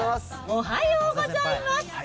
おはようございます。